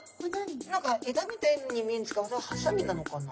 何か枝みたいに見えるんですがあれはハサミなのかな？